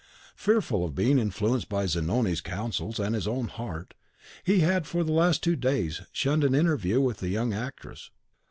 Fearful of being influenced by Zanoni's counsels and his own heart, he had for the last two days shunned an interview with the young actress.